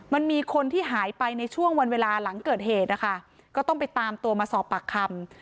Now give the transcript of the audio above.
มันมีคนที่หายไปในช่วงวันเวลาหลังเกิดเหตุนะคะก็ต้องไปตามตัวมาสอบปากคำ